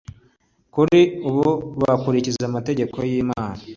kuri ari bo bakurikiza amategeko y Imana